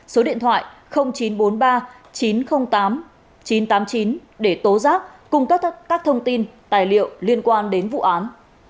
số điện thoại chín trăm bốn mươi ba chín trăm linh tám chín trăm tám mươi chín để tố giác cung cấp các thông tin tài liệu liên quan đến vụ án